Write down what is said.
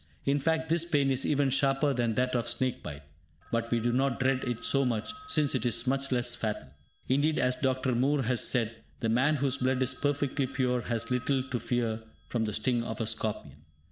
In fact, this pain is even sharper than that of snake bite, but we do not dread it so much, since it is much less fatal. Indeed, as Dr. Moor has said, the man whose blood is perfectly pure has little to fear from the sting of a scorpion.